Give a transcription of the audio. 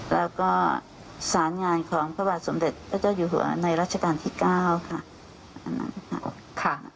แล้วก็สารงานของพระบาทสมเด็จพระเจ้าอยู่หัวในรัชกาลที่๙ค่ะอันนั้นค่ะ